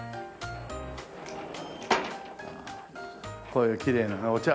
こういうきれいなお茶。